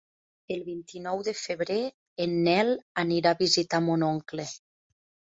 El vint-i-nou de febrer en Nel anirà a visitar mon oncle.